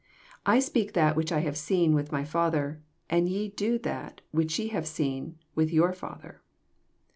38 I speak that which I have seen with my Father: and ye do that which ye have seen with your father.